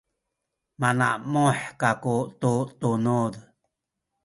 manamuh kaku tu tunuz